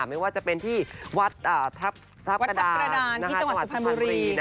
วัดทัพกระดานที่จังหวัดสุพรรณบุรี